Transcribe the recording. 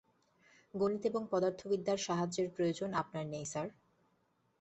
গণিত এবং পদার্থবিদ্যার সাহায্যের প্রয়োজন আপনার নেই, স্যার।